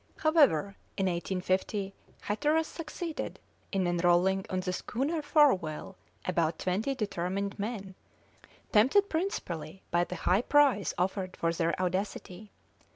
However, in 1850 Hatteras succeeded in enrolling on the schooner Farewell about twenty determined men, tempted principally by the high prize offered for their audacity.